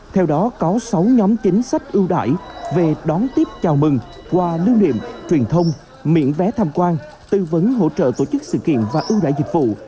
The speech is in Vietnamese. theo đó có sáu nhóm chính sách ưu đại về đón tiếp chào mừng qua lưu niệm truyền thông miễn vé tham quan tư vấn hỗ trợ tổ chức sự kiện và ưu đại dịch vụ